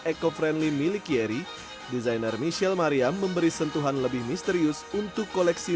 eco friendly milik yeri desainer michelle mariam memberi sentuhan lebih misterius untuk koleksi